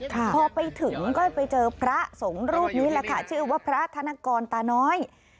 พอไปถึงก็ไปเจอพระสงฆ์รูปนี้แหละค่ะชื่อว่าพระธนกรตาน้อย